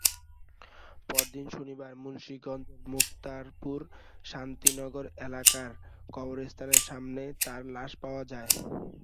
পরদিন শনিবার মুন্সিগঞ্জের মুক্তারপুর শান্তিনগর এলাকার কবরস্থানের সামনে তার লাশ পাওয়া যায়।